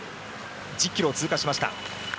１０ｋｍを通過しました。